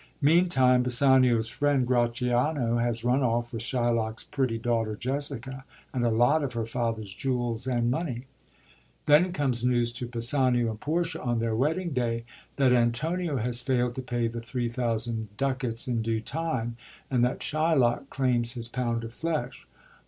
Meantime, Bassanio's friend Gratiano has run off with Shylock's pretty daughter Jessica, and a lot of her father's jewels 96 THE TAMING OF THE SHREW and money. Then comes news to Bassanio and Portia, on their wedding day, that Antonio has faild to pay the 3,000 ducats in due time, and that Shylock claims his pound of flesh.